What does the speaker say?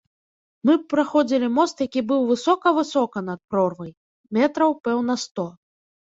Мы праходзілі мост, які быў высока-высока над прорвай, метраў, пэўна, сто.